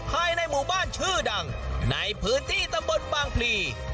ภายในหมู่บ้านชื่อดังในพื้นที่ตำบลบางพลี